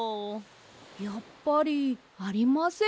やっぱりありませんね。